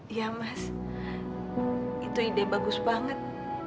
iya mas itu ide bagus banget